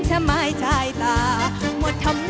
ก็จะมีความสุขมากกว่าทุกคนค่ะ